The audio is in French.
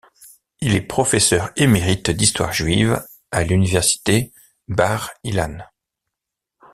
Il est professeur émérite d’histoire juive à l’université Bar-Ilan.